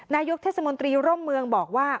นายกเทศมนตรีร่มเมืองบอกว่า